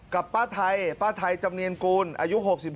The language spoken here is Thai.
ป้าไทยป้าไทยจำเนียนกูลอายุ๖๖